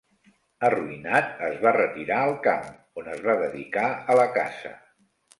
Arruïnat, es va retirar al camp, on es va dedicar a la caça.